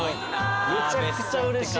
めちゃくちゃうれしい。